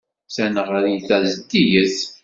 Taneɣrit-a zeddiget.